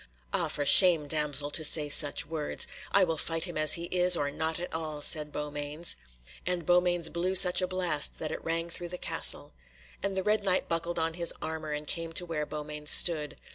"Ah! for shame, damsel, to say such words. I will fight him as he is, or not at all," and Beaumains blew such a blast that it rang through the castle. And the Red Knight buckled on his armour, and came to where Beaumains stood.